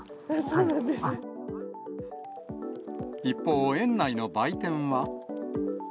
一方、園内の売店は。